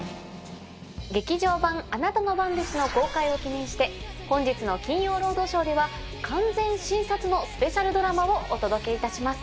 劇場版『あなたの番です』の公開を記念して本日の『金曜ロードショー』では完全新撮のスペシャルドラマをお届けいたします。